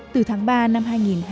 từ tháng ba năm hai nghìn hai mươi